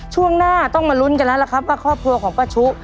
ช่วงหน้าต้องมาลุ้นกันแล้วล่ะครับว่าครอบครัวของป้าชุ